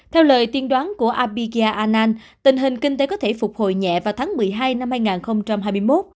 theo lời tiên đoán của abiga an tình hình kinh tế có thể phục hồi nhẹ vào tháng một mươi hai năm hai nghìn hai mươi một